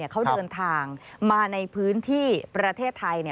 เขาเดินทางมาในพื้นที่ประเทศไทย